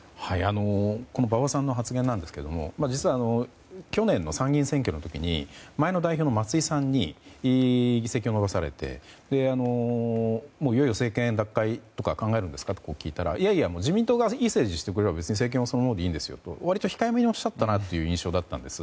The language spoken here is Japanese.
この馬場さんの発言ですが実は、去年の参議院選挙の時に前の代表の松井さんに議席を伸ばされていよいよ政権奪回とか考えるんですか？と聞いたらいやいや、自民党がいい政治をしてくれれば政権はそのままでいいんですよと割と控えめにおっしゃったなという印象だったんです。